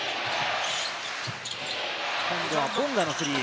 今度はボンガのスリー。